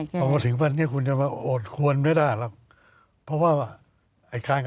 เพราะว่าถึงวันนี้คุณจะมาโอดควรไม่ได้หรอก